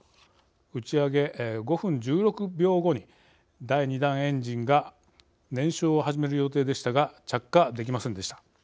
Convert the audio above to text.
打ち上げ５分１６秒後に第２段エンジンが燃焼を始める予定でしたが着火できませんでした。